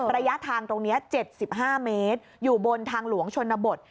ระยะทางตรงนี้๗๕เมตรอยู่บนทางหลวงชนบท